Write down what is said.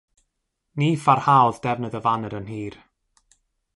Ni pharhaodd defnydd y faner yn hir.